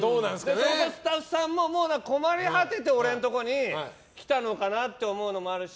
スタッフさんも困り果てて俺のとこに来たのかなって思うのもあるし